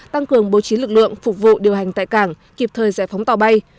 tăng cường bố trí lực lượng phục vụ điều hành tại cảng kịp thời giải phóng tàu bay